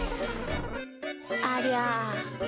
ありゃ。